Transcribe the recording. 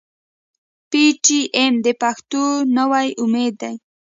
پي ټي ايم د پښتنو نوی امېد دی.